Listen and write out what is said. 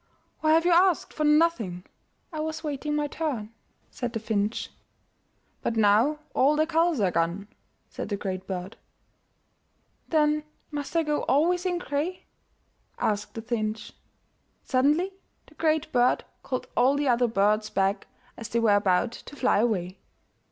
"Why have you asked for nothing?" 22 UP ONE PAIR OF STAIRS I was waiting my turn," said the finch. But now all the colors are gone/* said the Great Bird. *'Then must I go always in gray?'' asked the finch. Suddenly the Great Bird called all the other birds back as they were about to fly away.